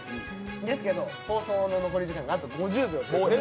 ですけど、放送の残り時間が５０秒。